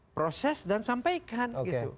proses dan sampaikan